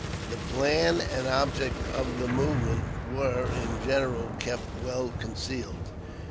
The plan and object of the movement were in general kept well concealed.